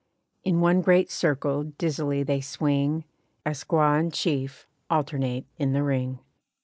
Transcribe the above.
In one great circle dizzily they swing, A squaw and chief alternate in the ring.